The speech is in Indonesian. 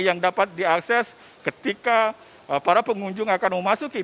yang dapat diakses ketika para pengunjung akan memasuki